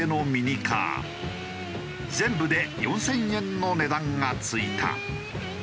全部で４０００円の値段が付いた。